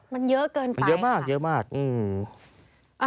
มันเยอะเกินไปค่ะมันเยอะมากอืมอืม